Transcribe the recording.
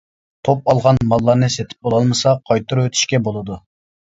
توپ ئالغان ماللارنى سېتىپ بولالمىسا قايتۇرۇۋېتىشكە بولىدۇ.